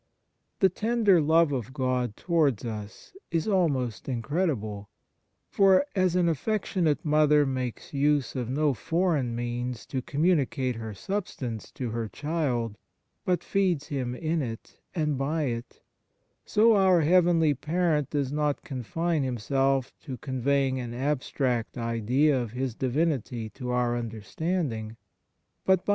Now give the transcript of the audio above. " The tender love of God towards us is almost incredible; for as an affectionate mother makes use of no foreign means to communicate her substance to her child, but feeds him in it and by it; so our heavenly Parent does not confine Himself to conveying an abstract idea of His Divinity to our understanding, but by an 1 In Ps.